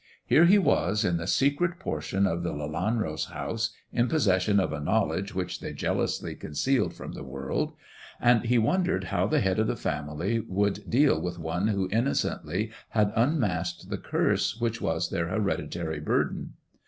Here he was, in the secret portion of the Lelanros' house, in posses sion of a knowledge which they jealously concealed from the world ; and he wondered how the head of the family would deal with one who innocently had unmasked the curse which was their hereditary burden.